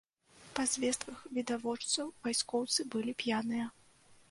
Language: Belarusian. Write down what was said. Па звестках відавочцаў, вайскоўцы былі п'яныя.